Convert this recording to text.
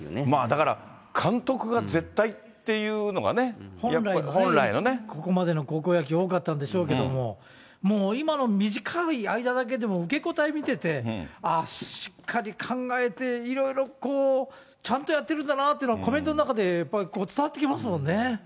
だから、監督が絶対っていうのがね、本来のね。ここまでの高校野球多かったんでしょうけども、もう今の短い間だけでも、受け答え見てて、ああ、しっかり考えていろいろちゃんとやってるんだなっていうのが、コメントの中でやっぱり伝わってきますもんね。